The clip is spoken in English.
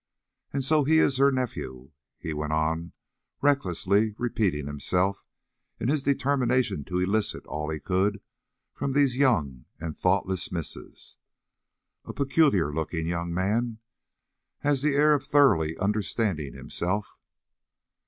And so he is her nephew," he went on, recklessly repeating himself in his determination to elicit all he could from these young and thoughtless misses. "A peculiar looking young man; has the air of thoroughly understanding himself."